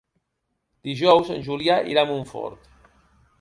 Dijous en Julià irà a Montfort.